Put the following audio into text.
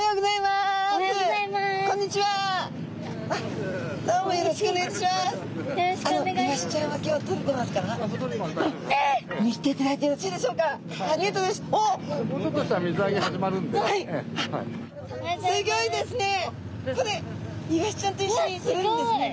すギョいですね。